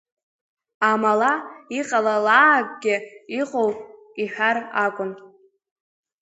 Ама-ла иҟалалаакгьы иҟоу иҳәар акәын.